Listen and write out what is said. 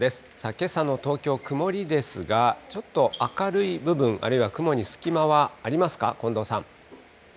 けさの東京、曇りですが、ちょっと明るい部分、あるいは雲に隙間はありますか、近藤さん。